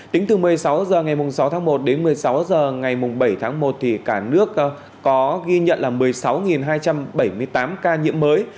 tính từ một mươi sáu h ngày sáu tháng một đến một mươi sáu h ngày bảy tháng một cả nước có ghi nhận là một mươi sáu hai trăm bảy mươi tám ca nhiễm mới